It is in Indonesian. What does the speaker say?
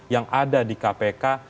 yang ada di kpk